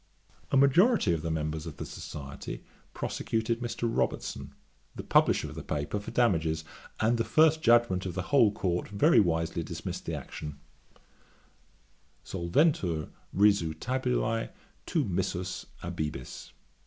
A majority of the members of the Society prosecuted Mr. Robertson, the publisher of the paper, for damages; and the first judgement of the whole Court very wisely dismissed the action: Solventur risu tabulae, tu missus abibis.